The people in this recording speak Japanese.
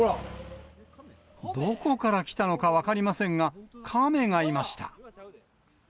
どこから来たのか分かりませんが、亀がいました。